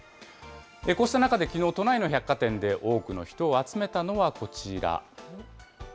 こうした中できのう、都内の百貨店で多くの人を集めたのはこちら。